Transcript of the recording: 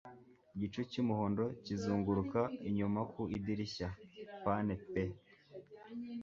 Igicu cy'umuhondo kizunguruka inyuma ku idirishya-pane pe